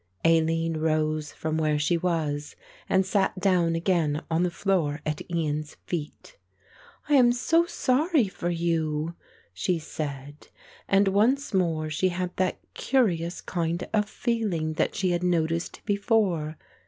Aline rose from where she was and sat down again on the floor at Ian's feet. "I am so sorry for you," she said, and once more she had that curious kind of feeling that she had noticed before.